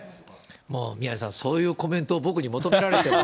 もう宮根さん、そういうコメントを僕に求められても。